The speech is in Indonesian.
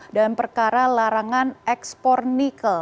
dan perkara larangan ekspor nikel